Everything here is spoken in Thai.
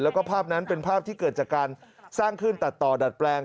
แล้วก็ภาพนั้นเป็นภาพที่เกิดจากการสร้างขึ้นตัดต่อดัดแปลง